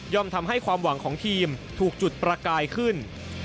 ทำให้ความหวังของทีมถูกจุดประกายขึ้น